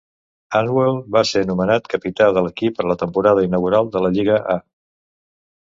Harnwell va ser nomenat capità de l'equip per a la temporada inaugural de la Lliga A.